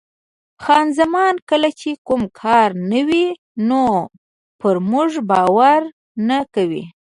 خان زمان: کله چې کوم کار نه وي نو پر موږ باور نه کوي.